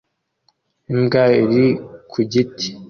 Imbwa iri ku giti